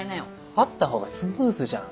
会った方がスムーズじゃん。